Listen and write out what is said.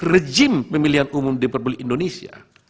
regim pemilihan umum diperboleh indonesia